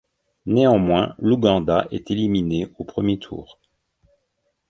Néanmoins l'Ouganda est éliminée au premier tour.